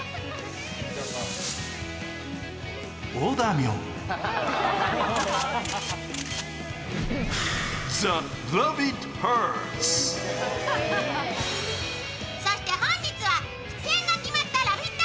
ニトリそして本日は出演が決まったラヴィット！